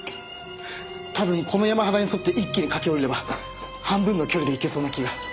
多分この山肌に沿って一気に駆け下りれば半分の距離で行けそうな気が。